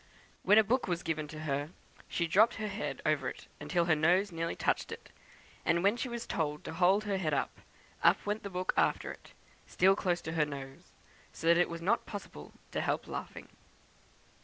When a book was given her, she dropped her head over it till her nose nearly touched it, and when she was told to hold her head up, up went the book after it, still close to her nose, so that it was not possible to help laughing."